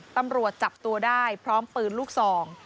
ตำรวจจับตัวได้พร้อมปืนลูกซอง